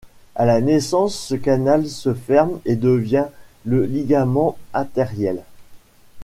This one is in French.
À la naissance ce canal se ferme et devient le ligament artériel.